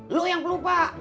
lo yang pelupa